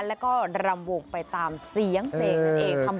แล้วก็รำวงไปตามเสียงเพลงนั่นเอง